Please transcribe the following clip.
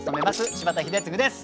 柴田英嗣です。